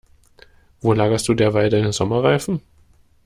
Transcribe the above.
Wo lagerst du derweil deine Sommerreifen?